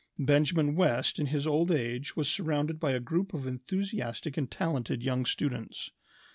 Benjamin West in his old age was surrounded by a group of enthusiastic and talented young students.